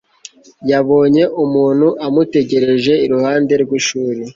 yabonye umuntu amutegereje iruhande rwishuri